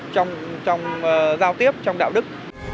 trong giao tiếp trong đạo đức